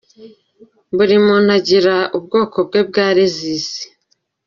Buri muntu agira ubwoko bwe bwa Rezisi.